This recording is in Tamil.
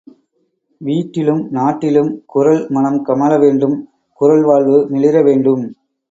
வீட்டிலும், நாட்டிலும் குறள் மணம் கமழ வேண்டும் குறள் வாழ்வு மிளிர வேண்டும்.